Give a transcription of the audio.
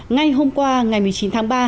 ngay hôm qua ngày một mươi chín tháng ba